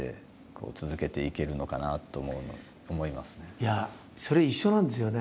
いやそれ一緒なんですよね。